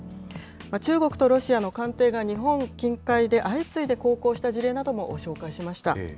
中国とロシアの艦艇が日本近海で相次いで航行した事例なども紹介しました。